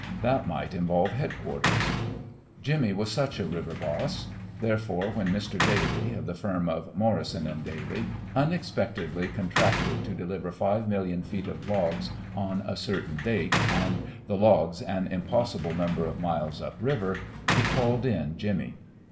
That might involve headquarters. Jimmy was such a river boss. Therefore when Mr. Daly, of the firm of Morrison & Daly, unexpectedly contracted to deliver five million feet of logs on a certain date, and the logs an impossible number of miles up river, he called in Jimmy.